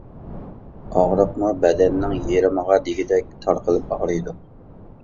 ئاغرىقمۇ بەدەننىڭ يېرىمىغا دېگۈدەك تارقىلىپ ئاغرىيدۇ.